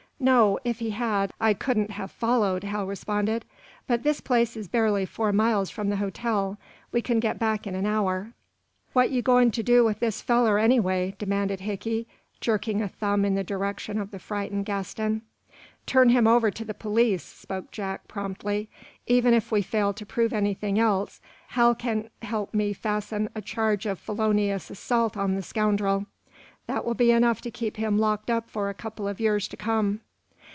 "No; if he had, I couldn't have followed," Hal responded. "But this place is barely four miles from the hotel. We can get back in an hour." "What ye goin' to do with this feller, anyway?" demanded Hickey, jerking a thumb in the direction of the frightened Gaston. "Turn him over to the police," spoke Jack, promptly. "Even if we fail to prove anything else Hal can help me fasten a charge of felonious assault on the scoundrel. That will be enough to keep him locked up for a couple of years to come."